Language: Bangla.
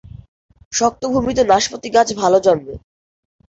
শক্ত ভূমিতে নাশপাতি গাছ ভাল জন্মে।